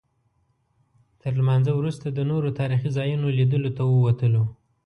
تر لمانځه وروسته د نورو تاریخي ځایونو لیدلو ته ووتلو.